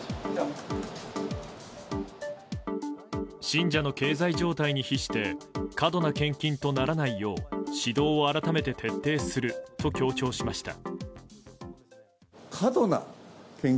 信者の経済状態に比して過度な献金とならないよう指導を改めて徹底すると強調しました。